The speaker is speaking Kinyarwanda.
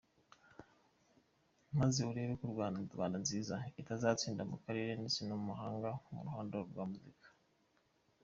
Maze urebe ko Rwanda nzinza itazatsinda mu karere ndetse no mumahanga muruhando rwa muzika.